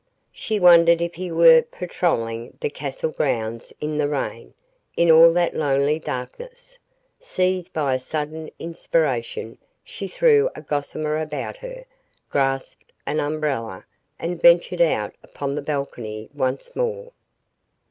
She wondered if he were patroling the castle grounds In the rain, in all that lonely darkness. Seized by a sudden inspiration, she threw a gossamer about her, grasped an umbrella and ventured out upon the balcony once more.